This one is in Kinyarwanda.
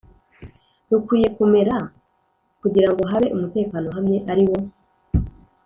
rukwiye kumera, kugira ngo habe umutekano uhamye, ari wo